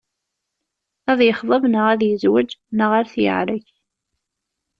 Ad yexḍeb neɣ ad yezweǧ, neɣ ar t-yeɛrek.